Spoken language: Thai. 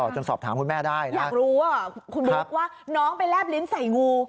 อยากรู้คุณบุ๊กว่าลูกไปแรบลิ้นใส่งู